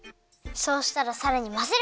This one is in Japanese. そうしたらさらにまぜる！